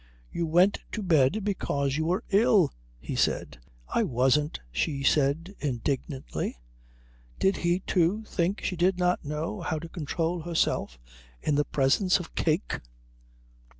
"You went to bed because you were ill," he said. "I wasn't," she said indignantly. Did he, too, think she did not know how to control herself in the presence of cake?